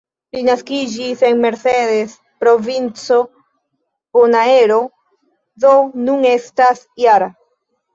Li naskiĝis en "Mercedes", provinco Bonaero, do nun estas -jara.